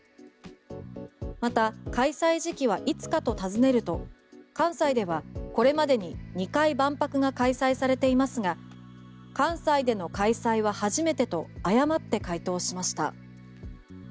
また開催時期はいつかと尋ねると関西ではこれまでに２回万博が開催されていますが関西での開催は初めてと誤って回答しました。